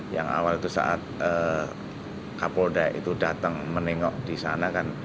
yang awal itu saat kapolda itu datang menengok di sana kan